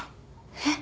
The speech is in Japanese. えっ？